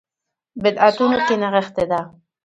بدعتونو کې نغښې ده.